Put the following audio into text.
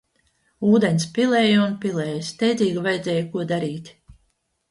Ūdens pilēja un pilēja, steidzīgi vajadzēja ko darīt